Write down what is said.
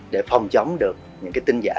để phòng chống được những cái tin giả